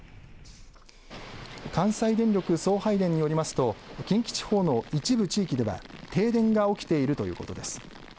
関西電力送配電によりますと近畿地方の一部地域では停電が起きているということです。